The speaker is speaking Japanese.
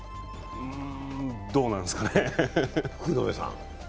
うーんどうなんですかね。